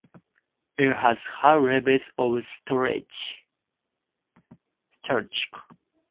It has high levels of starch.